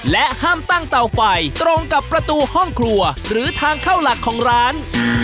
และห้ามตั้งเตาไฟตรงกับประตูห้องครัวหรือทางเข้าหลักของร้าน